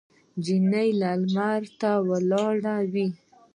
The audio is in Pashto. نجونې لمر ته ولاړې وې.